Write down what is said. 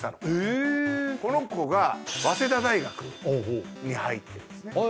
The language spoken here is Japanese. この子が早稲田大学に入ってるんですね